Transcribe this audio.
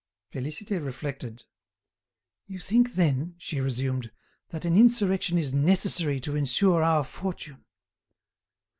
Félicité reflected. "You think, then," she resumed, "that an insurrection is necessary to ensure our fortune!"